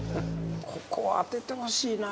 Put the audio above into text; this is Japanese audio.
ここは当ててほしいな